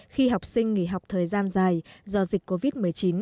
khi học sinh nghỉ học thời gian dài do dịch covid một mươi chín